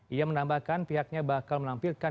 ia menambahkan pihaknya bakal menampilkan